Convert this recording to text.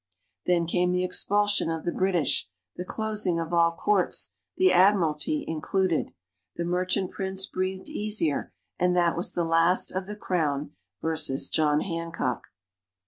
Then came the expulsion of the British, the closing of all courts, the Admiralty included. The merchant prince breathed easier, and that was the last of the Crown versus John Hancock.